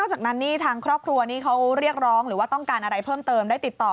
จากนั้นนี่ทางครอบครัวนี้เขาเรียกร้องหรือว่าต้องการอะไรเพิ่มเติมได้ติดต่อ